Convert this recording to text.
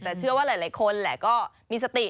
แต่เชื่อว่าหลายคนแหละก็มีสติ